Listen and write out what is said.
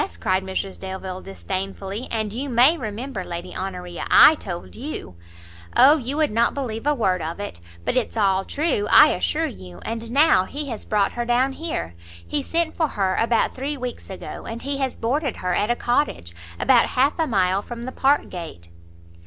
cried Mrs Delvile, disdainfully, "and you may remember, Lady Honoria, I told you " "O, you would not believe a word of it! but it's all true, I assure you! and now he has brought her down here; he sent for her about three weeks ago, and he has boarded her at a cottage, about half a mile from the Park gate."